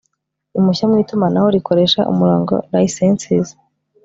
impushya mu itumanaho rikoresha umurongo licensees